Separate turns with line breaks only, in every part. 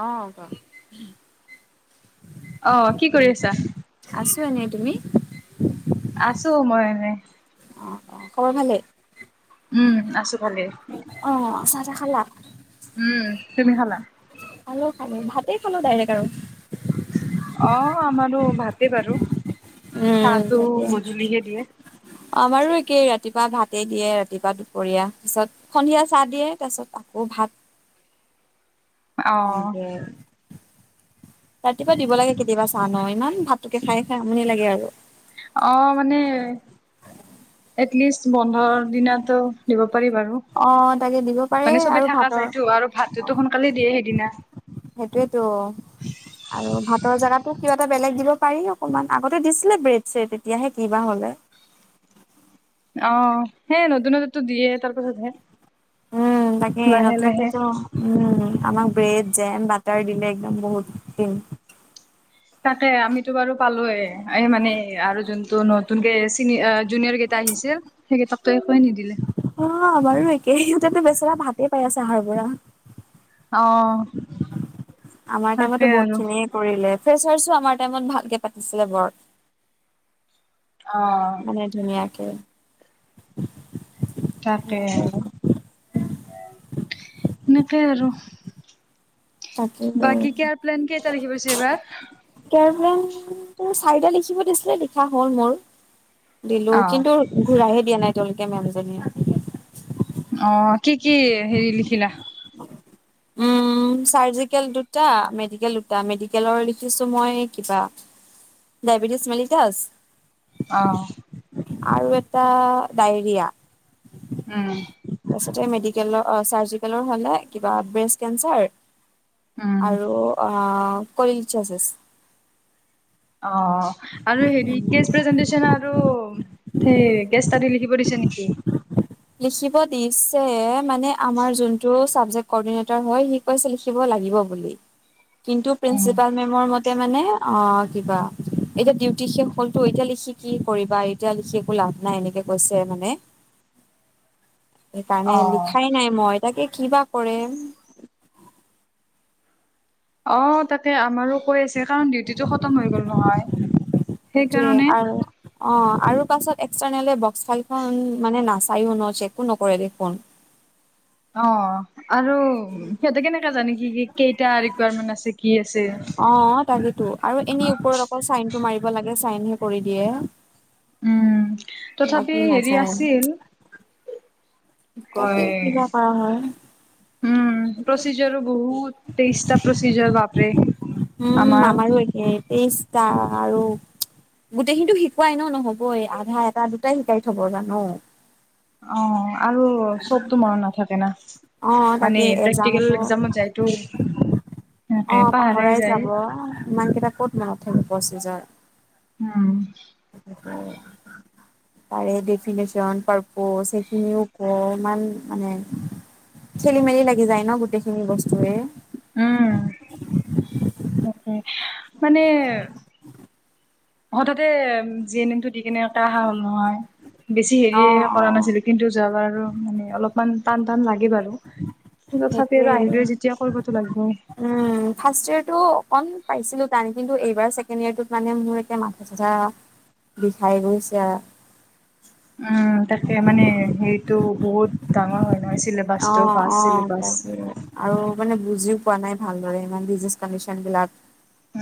অঁ কোৱা
আহ কি কৰি আছা?
নাই তুমি।
আছো মই এনে।
অঁ অঁ খবৰ ভালেই।
উম আছো ভালেই,
অ', চাহ তাহ খালা?
উম তুমি খালা।
খালো খানো ভাতেই খালো ডাইৰেক্ট আৰু।
অঁ আমাৰো ভাতে বাৰু।
উম
চাহটো
তাক
গধূলিহে দিয়ে।
আমাৰো একেই ৰাতি। ৰাতিপুৱা ভাতেই দিয়ে ৰাতিপুৱা দুপৰীয়া, পাছত সন্ধিয়া চাহ দিয়ে তাৰপিছত আকৌ ভাত। [unintelligible]
অ
নে। ৰাতিপুৱা দিব লাগে কেতিয়াবা চা ন ইমান ভাতটোকে খাই খাই আমনি লাগে আৰু।
অ মানে, এটলিষ্ট বন্ধৰ দিনটো দিব। পাৰি বাৰো,
অ', তাকে দিব পাৰে
মানে
আৰু
চবে থাককা
ভাতৰ
যায়তো আৰু ভাতটোতো সোনকালে দিয়ে সেইদিনা।
সেইটোয়েতো, আৰু ভাতৰ জেগাত। মোক কিবা এটা বেলেগ দিব পাৰি অকনমান আগতে দিছিলে ব্ৰেড চেড এতিয়াহে কিবা হ'লে। [unintelligible]
অ সেই নতুন নতুনতো দিয়ে তাৰপাছতহে।
উম তাকে নতুনততো উম আমাক। ব্ৰেড জেম বাটাৰ দিলে একদম বহুত দিন।
তাকে আমিতো বাৰু পালোয়ে এ মানে আৰু যোনতটো নতুনকে চ জুনিয়ৰ কেইটা। আহিছিল, সেই কিতাপটো একোৱেই নিদিলে।
অ আমাৰো একে সিহতেটো বেচেৰা ভাতে পাই আছে আহাৰ পৰা।
অ
আমাৰ টাইমত
তাকে
টো
আৰু।
বহুতখিনিয়ে কৰিলে। ফোৰছো আমাৰ টাইমত ভালকে পাতিছিলে বৰ।
অ'।
মানে ধুনীয়াকে।
তাকে সেনেকে আৰু।
তাকে
বাকী কেয়াৰ প্লেন কেইতাৰিখে পৰিছে এইবাৰ।
টোৰ, চাৰিটা লিখিব দিছিলে লিখা হ'ল মোৰ। দিলো
অ',
কিন্তু ঘূৰাহে দিয়া নাই এতিয়ালৈকে মেমজনীয়ে।
অ কি কি হেৰি লিখিলা‌?
চাৰজিকেল দুটা মেডিকেল দুটা মেডিকেলৰ লিখিছো মই কিবা। Diabetes mellitus.
আহ।
আৰু এটা ডায়েৰিয়া।
উম।
তাৰপিছত মেডিকেলৰ চাৰ্জিকেলৰ হলে কিবা ব্ৰেষ্ট কেন্সাৰ।
উম,
আৰু কলল চাছেছ।
অ আৰু হেৰি কেচ প্ৰেজেন্টেশচন। আৰু, সেই গেষ্ট তাৰি লিখিব দিছে নেকি?
লিখিব দিছে মানে আমাৰ যোনটো চাবজেক কৰ্ডিনেটৰ হয় সি কৈছে লিখিব ল। লাগিব বুলি। কিন্তু
উম,
প্ৰিঞ্চিপাল মেমৰ‌ মতে মানে অ কিবা, এতিয়া ডিউটি শেষ হ'লতো এতিয়া লিখি কি কৰিবা এতিয়া লিখি একো লাভ নাই এনেকে কৈছে মানে। সেইকাৰণে
অ'।
লিখাই নাই মই তাকে কিবা কৰেম।
অ তাতে‌ আমাৰো। কৈ আছে কাৰণ ডিউটিটো খতম হৈ গল নহয়,
সেইটোয়ে
সেইকাৰণে।
আৰু অ আৰু পাছত এক্সটাৰ্নে বক্স ফাইলখন মানে নাচায়ো ন চেকো নকৰে দেখোন।
অ, আৰু সিহঁতে কেনেকা জানে কি কি কেইটা ৰিকুৱাৰমেন্ট আছে। কি আছে?
অ তাকেতো আৰু এনেই ওপৰত অকল চাইন টো মাৰি। লাগে চাইনহে কৰি দিয়ে।
উম, তথাপি
বাকী
হেৰি
নাচায়
আছিল। ক,
তাকে কিবা কৰা হয়
উম প্ৰচিযাৰ বহুত। তেইশটা প্ৰচিজৰ বাপৰে।
উম
আমাৰ
আমাৰো একে তেইশটা আৰু। গোটেইখিনিতো শিকোৱাই ন নহবই আধা এটা দুটাই শিকাই থব জানো।
অ' আৰু চবতো মনত নাথাকে না।
অ'
মানে
তাকে
প্ৰেক্টিকেল
একজামতো।
এক্সামত যায়তো সেনেকে
অ'
পাহাৰাই
পাহৰাই
যায়।
যাব ইমান কেইটা ক'ত মনত থাকিব। চিজন
উম।
অ। তাৰে ডফিনেশচন পাৰপজ সেইখিনিও ক ইমান মানে। খেলি-মেলি লাগি যায় ন গোটেই খিনি বস্তুয়ে।
উম,
উম
মানে হঠাতে জি এন এম টো দি কেনে অহা হল নহয়। বেছি
অ
হেৰিয়ে
অ
কৰা নাছিলো। কিন্তু, যোৱা বাৰ মানে অলপমান টান - টান লাগে বাৰু। তথাপি
সেইটোৱে
আৰু আহিলে যেতিয়া কৰিবতো লাগে।
উম, ফাৰ্ষ্ট ইয়েৰটো অকন পাইছিলো টান, কিন্তু এই বাৰ ছেকেণ্ড ইয়ৰত মানে মোৰ এয়া মাথা সাথা বিষাই গৈছে আৰ
উম, তাকে মানে হেৰিতটো বহুত ডাঙৰ হয় নহয়। চিলেবাচটো ফাৰ্ষ্ট
অ-অ,
চিলেবাছ।
তাকে আৰু মানে বুজিও পোৱা নাই ভালৰে ইমান বিজনে কডিশন বিলাক।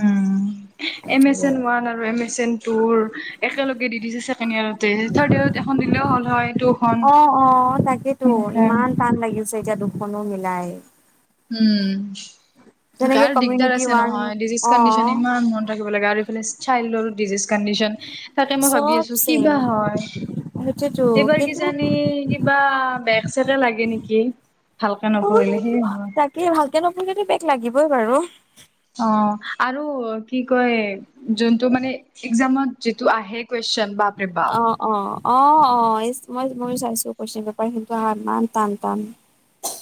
উম, এমেচন ওৱান আৰু এমেচন টুৰ একেলগে দি দিছে ছেকেণ্ড ইয়েৰতে থাৰ্ড ইয়াৰৰত এখন দিলেও হল হয়। দুখন
অ - অ তাকেতো
সেনেকে।
ইমান টান লাগিছে এতিয়া দুখনো মিলাই।
উম
যেনেকে
কাৰ দিগদাৰ
কমিউনিটি
আছে
ওৱান
নহয়। ডিজিজ
অ
কণ্ডিশন ইমান মন ৰাখিব লাগে আৰু এইফালে চাইল্ৰ ডিজিজ কনডিশন ততে মই ভাবি
চব
আছো কিবা
চেম
হয়।
সেইটোৱেতো
এইবাৰ
কিন্তু
কিজানি কিবা বে ছেকে লাগে নেকি ভালকে নপঢ়িলে, সেইয়ে নহয়,
কি ভালকে নপঢ়িলে বেক লাগিবই বাৰু।
অ, আৰু কি কয় যোনটো মানে একজাম ত' যিটো আহে কুৱেশ্চন বাপৰে বাপ।
অ-অ মই মই চাইছো কুৱেচন পেপাৰ কিন্তু ইমান টান - টান।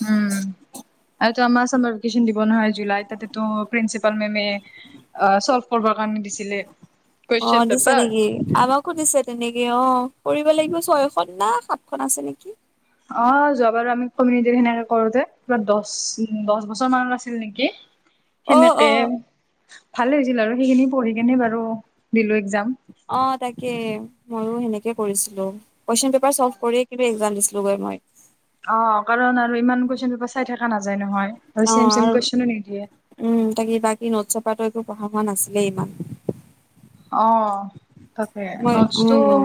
উম আৰু এইটো আমাৰ ওচৰত নতিফিসচন দিব নহয় জুলাইত তাতেটো প্ৰিন্সিপাল মেমে প কান নি দিছিলে।
অ,
কুৱেশন
দিছে
পেপাৰ
নেকি? আমাকো দিছে তেনেকি অ, কৰিব লাগিব ছয়খন না সাতখন আছে নেকি?
অ, যোৱা বাৰু আমি কমিট সেনেকে কৰোতে কিবা দশ - দশ বছৰ মানৰ আছিল নেকি।
অ',
সেনেকে
অ',
ভালে হৈছিল আৰু সেইখিনি পঢ়ি কেনে বাৰু দিলো এক্সম।
অ, তাকে ময়ো সেনেকে কৰিছিলো। কুৱেশন পেপাৰ চল্ভ কৰিয়ে কিন্তু একজাম দিছিলো গৈ। হয়।
অ, কাৰণ আৰু ইমানকৈ কুৱেশ্যন চাই থকা নাযায় নহয়।
অ,
চেম চেম
আৰু
কুৱেশনো নিদিয়ে
উম, তাকি বাকী নট চত কপাত একো পঢ়া হোৱা নাছিলে ইমান।
অ, তাকে
মই
নোটচটো
উম,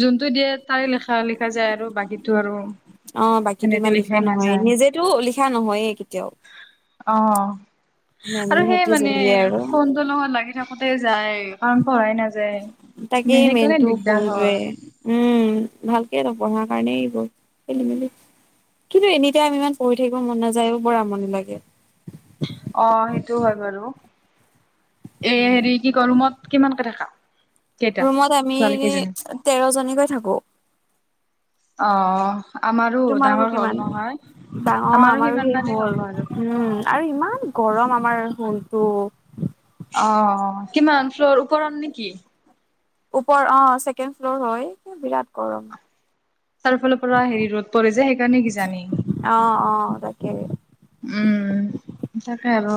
যোন টো দিয়ে তাই লিখা লিখা যায় আৰু বাকীটো আৰু
অ, বাকী
সেনেকে
ইমান লিখা
লিখাই
নহয়েই,
নাযায়
নিজেতো লিখা নহয়েই কেতিয়াও।
অ, আৰু সেই
মেমহঁতি
মানে
জলি আৰু
ফোনটো লগত লাগি থাকোতে যাই। কাৰণ পঢ়াই নাযায়। মানে
তাকেই
সেইকাৰণে
মেইনতটো
দিগদাৰ
ফোনটোৱে।
হয়
উম, ভালকে নপঢ়াৰ কাৰণেই এইবোৰ খেলি মেলি। কিন্তু এনেতে আমি ইমান পঢ়ি থাকিব মন নাযায়ও, বৰ আমনি লাগে।
অ, সেইটো হয় বাৰু। এ হেৰি কি গৰমত কিমানকে থাকা? কেইটা
ৰুমত আমি
ছোৱালী কেইজনী
তেৰ জনীকৈ থাকো।
অ, আমাৰো
তোমালোকৰ
ডাঙৰ
কিমান
হ'ল নহয়।
ডাঙৰ আমাৰো
সিমান
সেই
মানে হ'ব
হ'ল।
আৰু
উম, আৰু ইমান গৰম আমাৰ ৰোমবোৰ। উম
অ, কিমান ফ্লৰ ওপৰৰত নেকি?
ওপৰ অ, ছেকেণ্ড ফ্ল'ৰ হয় বিৰাট গৰম।
চাৰিফালৰ পৰা হেৰি ৰ'দ পৰে যে সেইকাৰণে কিজানি।
কেলে?
উম। তাকে আৰু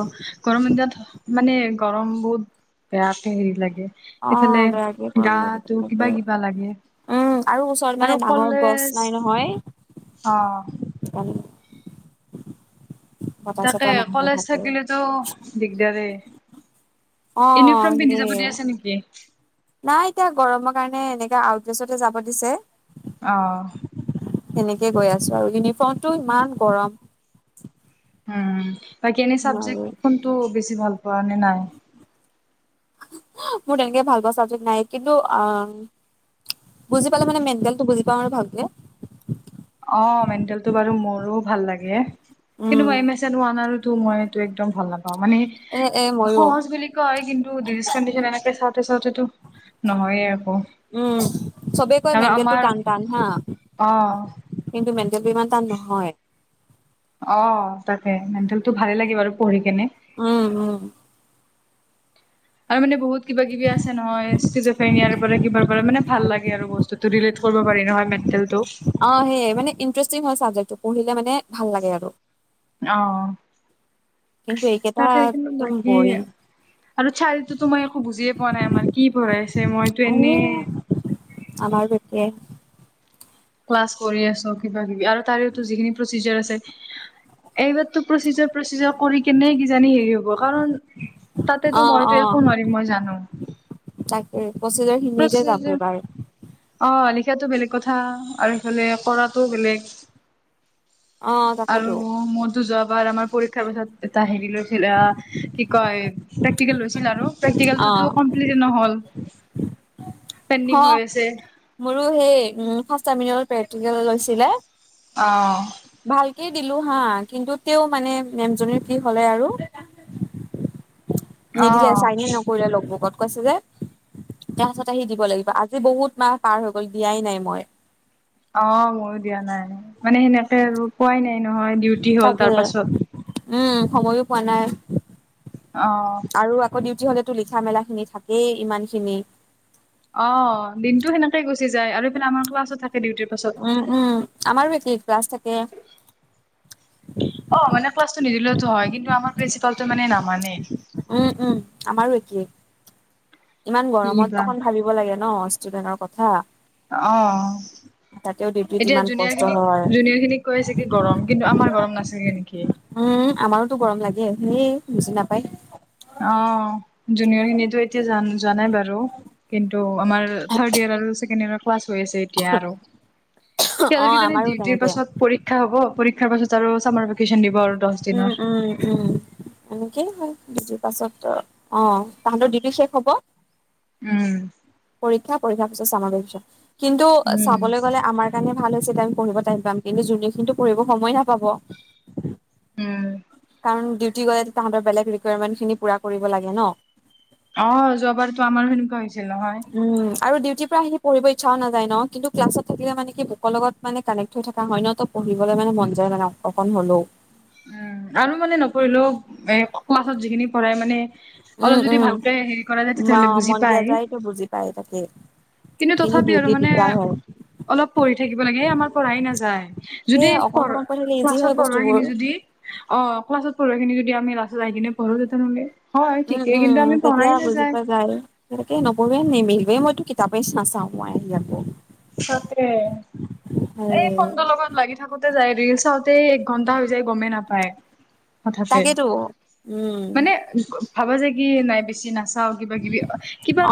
গৰম দিনত মানে গৰম বহুত বেয়াকে হেৰি লাগে।
অ
এইফালে
বেয়াকে গৰম লাগে
গাটো
তাকে
কিবা কিবা লাগে।
উম আৰু ওচৰত মানে
আৰু
ডাঙৰ গছ
কলেজ
নাই নহয়
অ।
সেইকাৰণে বতাহ
তাকে,
চতাহ নহলে
কলেজ
থাকে
থাকিলেতো দিগদাৰেই।
অ
ইউনিফৰ্ম পিন্ধি
সেইয়ে
যাব দি আছে নেকি?
নাই এতিয়া গৰমৰ কাৰণে এনেকাে আউটড্ৰেছতে যাব দিছে।
অহ।
সেনেকে গৈ আছো আৰু। ইউনিফৰ্মটো ইমান গৰম।
উম, বাকী এনে
নোৱাৰোৱে
চাবজেক্টকোনতো বেছি ভাল পোৱা, নে নাই?
মোৰ তেনেকে ভাল পোৱা চাবজেক্ট নাই। কিন্তু আহ। বুজি পালে মানে মেণ্টেলটো বুজি পাওঁ আৰু ভালকে।
অ মেণ্টেলটো বাৰু মোৰো ভাল লাগে। কিন্তু
উম
এ আৰু তো মইটো একদম ভাল লাগে। অ মানে
এ এ ময়ো
সহজ বুলি কয়, কিন্তু ডিজিজ কণ্ডিচন এনেকে চাওঁতে চাওঁতেতো-। নহয়ে।
উম, চবে কৈ
আৰু
মেণ্টেলটো
আমাৰ
টান টান হা।
অ
কিন্তু মেণ্টেল ইমান তাত নহয়।
অ তাকে, মেণ্টেলটো ভালে লাগে বাৰু পঢ়ি কেনে।
উম উম।
আৰু মানে। বহুত কিবা কিবি আছে নহয়। ইয়াৰ পৰা কিবাৰ পৰা মানে ভাল লাগে আৰু বস্তুতটো লে - কৰিব পাৰি নহয় মেণ্টে -।
অ সেইয়াই মানে ইন্ত্ৰেষ্টিং চাবজেক্টো। পঢ়িলে মানে। ভাল লাগে আৰু
অ।
কিন্তু এইকেইটা
তাকেই কিন্তু
একদম
বাকী,।
বৰিং
আৰু চাইল্ডটোতো মই একো বুজিয়ে পোৱা নাই, আমাৰ কি পঢ়াইছে মইতো এনেই।
আমাৰ বেতিযে।
ক্লাছ কৰি আছো কিবা কিবি। আৰু তাৰেটো যিখিনি প্ৰচিজাৰ আছে,। এইবাৰতো প্ৰচিজাৰ প্ৰচিজাৰ কৰি কেনে কিজানি স-। হ'ব, কাৰণ
অ
তাতেতো মইতো
অ
একো নোৱাৰিম মই জানো।
তাকে প্ৰচিজাৰ খিনিতে যাব এবাৰ
অ লিখ। সেইয়াতো বেলেগ কথা আৰু এইফালে কৰাটো বেলেগ।
অ। তাকেতো
আৰু মোৰ দু যোৱাবাৰ আমাৰ পৰীক্ষাৰ পিছত এটা হেৰি লৈছিল কি কয়,। প্ৰেকটিকেল হৈছিল আৰু প্ৰেক্টিকেলো কমপ্লিটে নহ'ল। পেণ্ডিং
অ
হৈ আছে
মোৰো সেই উ সস্ত মিন। প্ৰেক্টিকেল লৈছিলে,।
অ।
ভালকেই দিলো হা কিন্তু তে মানে নেমজনীৰ কি হলে আৰু।
অ
নিদিলে চাইনে নকৰিলে লগবুকত কৈছে যে। তাৰ পাছত আহি দিব লাগিব আজি বহুত মাহ পাৰ হৈ গল দিয়াই নাই মই।
অ ময়ো দিয়া নাই মানে সেনেকে আৰু পোৱাই নাই। নহয় ডিউটি হ'ল
তাকে
তাৰ পাছত
উম সময়ো পোৱা নাই।
অ
আৰু আকৌ ডিউটি হলেতো লিঠা মেলা খিনি থাকেই ইমান খিনি।
অ দিনটো সেনেকে গুচি যায় আৰু আমাৰ ক্লাছ থাকে। ডিউটিৰ পাছত
উম উম আমাৰো একে ক্লাছ থাকে।
অ মানে ক্লাছটো নিদিলেওতো হয় কিন্তু আমাৰ প্ৰিন্ঞ্চিপাল মানে নাম। মানে।
উম উম আমাৰো একেই ইমান
কি বা।
গৰমত অকন ভাবিব লাগে ন। যোগেনৰ কথা
আহ
তাতেও ডিউটিত
এতিয়া
ইমান কষ্ট
জুনিয়াৰ খিনিক
হয়।
জুনিয়াৰ খিনিক কৈ আছে কি গৰম কিন্তু আমাৰ গৰম নাছিল নি
উম আমাৰোতো গৰম লাগে সেই বুজি নাপায়
অ জুনিয়ৰ খিনি এতিয়া জান জানাই বাৰু কিন্তু আমাৰ থাৰ্ড ইয়াৰ আৰু ছেকেণ্ড ইয়ৰ উ হৈছে এতিয়া আৰে
অ
হেতৰ কেজনি
আমাৰো
ডিউটি
তেনেকে
পাছত পৰীক্ষা হব তাৰ পাছত আৰু চামাৰ ভেকেশচন দিব আৰু দহ
উম
দিনৰ।
উম উম এনেকে বি পাছত অ তাহাঁতৰ ডিউটি শেষ হ'ব
উম
পৰিক্ষা পৰক্ষাৰ পিছত চাম পিছত কিন্তু
উম
চাবলৈ গলে আমাৰ কাৰণে ভাল হৈছে ত আমি পঢ়িব টাইম পাম কিন্তু যোনে খিনিতো পঢ়িব সময় নাপাব
উম
কাৰণ ডিউটি গলে তাহতৰ বেলেগ ৰিকুৱাৰমেন্ট খিনি পুৰা কৰিব লাগে ন
অ যোৱাবাৰতো আমাৰ সেনেকুৱা হৈছিল নহয়
উম আৰু ডিউটিৰ পৰা আহি পঢ়িব ইচ্ছাও নায ন কিন্তু ক্লাত থাকিলে মানে কি বু ক লগত মানে কানেক্ থকা হয় ন ফুহিবলৈ মানে মন যায় মানে অকণ হলেও।
উম আৰু মানে নকৰিলেও এ ক্লাছত যিখিনি পঢ় মানে অলপ
উম
যদি ভালকে
উম
হেৰি কৰা যায় তেতিয়াহলে বুজি
মন্দিয়া
পায়
যায়তো বুজি পায় তাকে
কিন্তু তথাপি আৰু
ডিউটিত
মানে
দিগদাৰ হয়
অলপ পঢ়ি থাকিব লাগে স আমাৰ পঢ়াই নাযায়
সেই
যদি
অকন
পঢ
চকন পঢ়ি থাকিলে ইজি
ক্লাছত
হয়
পঢ়া
বস্তুবোৰ
খিনি যদি অ ক্লাছত পঢ়া খিনি যদি আমি লাছত আহ কিনে পঢ়ো তেনেহ'লে
উম উম তেতিয়া বুজিপোৱা যায় সেনেকে নপঢ়ে নিম পে মইতো কিতাপেই নাচাওঁ মই ইয়তে
সতে এই ফোনটোৰ লগত লাগি থাকোতে যায় ৰিল চাওঁতে এক ঘন্টা হৈ যায় গমেই নাপায় হঠাতে
তাকেতো উম
মানে ভাবা যায় কি নাই বেছি নাচ অ কিবা কি বি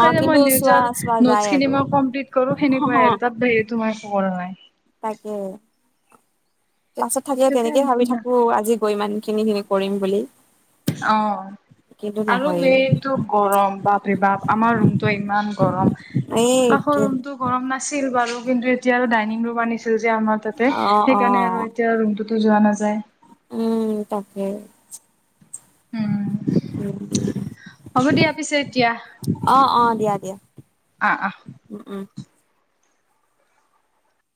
অ
মানে মই
কিন্তু চোৱা চোৱা
নাচ
যায় আৰু
মই কম্পিলিট কৰো ক
অ
আৰু তাত বেৰি তোমাৰ পোহৰ হয়
তাকে ক্লাছত থাকিলে তেনেকে ভাবি থাকো আজি গৈ মান খিনি খিনি কৰিম বুলি
অ
কিন্তু
আৰু
নহয়ে
মেইনতটো গৰম বা ভেবাহ আমাৰ ৰুমতটো ইমান গৰম
এই
কাষৰ ৰুমতটো গৰম নাই আছিল বাৰু কিন্তু এতিয়া আৰু ডাইনিং ৰুম আনিছিল যে আমাৰ তাতে
অ',
সেইকাৰণে আৰু
অ',
এতিয়া ৰুম যোৱা নাযায় উম হ'ব দিয়া পিছে
[unintelligible] আহ আহ দিয়া দিয়া
আ আ
উম, উম।